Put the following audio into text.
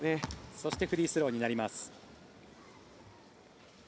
そしてフリースローになります。